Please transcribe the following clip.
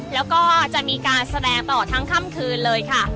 แล้วก็จะมีการแสดงต่อทั้งค่ำคืนเลยค่ะ